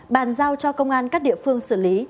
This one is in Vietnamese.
bàn giao cho công an các địa phương xử lý